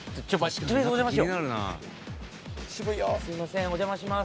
すいませんお邪魔します。